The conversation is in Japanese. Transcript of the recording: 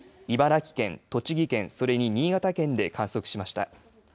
茨城県、栃木県それに新潟県で観測しました。